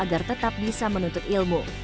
agar tetap bisa menuntut ilmu